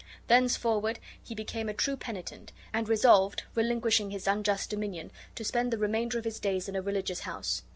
Thenceforward he became a true penitent, and resolved, relinquishing his unjust dominion, to spend the remainder of his days in a religious house.